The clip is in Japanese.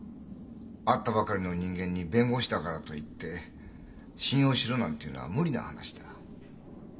会ったばかりの人間に弁護士だからといって「信用しろ」なんて言うのは無理な話だ。